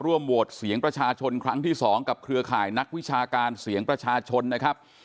ร่วมโหวตเสียงประชาชนครั้งที่๒กับเครือข่ายนักวิชาการเสียงประชาชนนะครับ